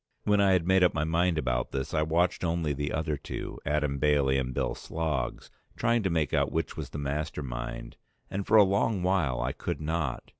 When I had made up my mind about this I watched only the other two, Adam Bailey and Bill Sloggs, trying to make out which was the master mind; and for a long while I could not.